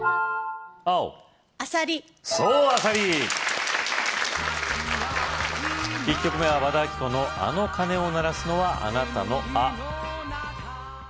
青アサリそうアサリ１曲目は和田アキ子のあの鐘を鳴らすのはあなたの「あ」